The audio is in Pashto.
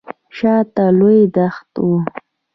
شاته لوی دښت و.